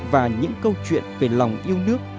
và những câu chuyện về lòng yêu nước